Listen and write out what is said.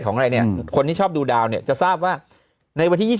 คนที่ชอบดูดาวเนี่ยจะทราบว่า